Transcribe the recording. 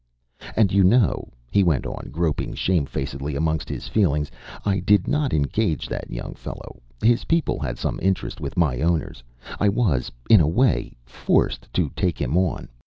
"And you know," he went on, groping shame facedly amongst his feelings, "I did not engage that young fellow. His people had some interest with my owners. I was in a way forced to take him on.